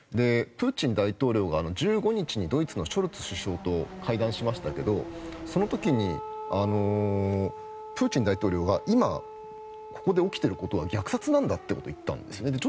プーチン大統領が１５日にドイツのショルツ首相と会談しましたがその時にプーチン大統領が今、ここで起きていることは虐殺なんだってことを言ったんですね。